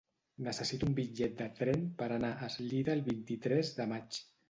Necessito un bitllet de tren per anar a Eslida el vint-i-tres de maig.